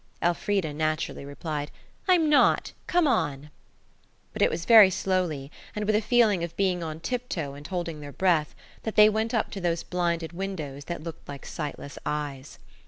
Elfrida naturally replied, "I'm not. Come on." But it was very slowly, and with a feeling of being on tiptoe and holding their breaths, that they went up to those blinded windows that looked like sightless eyes.